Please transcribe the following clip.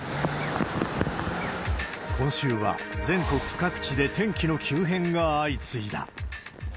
今週は全国各地で天気の急変が相次いだ。